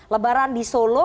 lebaran di solo